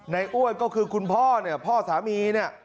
ในอ้วนก็คือคุณพ่อสามี